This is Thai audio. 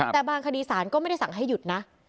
แต่บางคดีศาลก็ไม่ได้สั่งให้หยุดนะ